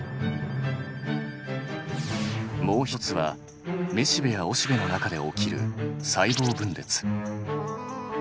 もう一つはめしべやおしべの中で起きる細胞分裂。